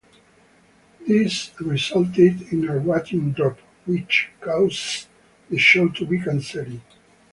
This resulted in a ratings drop, which caused the show to be canceled.